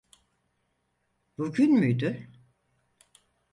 Bugün müydü?